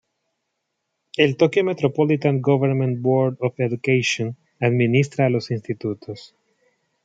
El Tokyo Metropolitan Government Board of Education administra a los institutos.